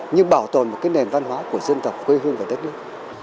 nhưng bảo tồn một cái nền văn hóa của dân tộc quê hương về đất nước